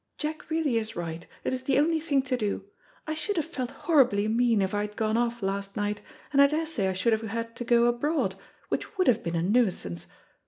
Jack really is right; it is the only thing to do. I should have felt horribly mean if I had gone off last night, and I daresay I should have had to go abroad, which would have been a nuisance.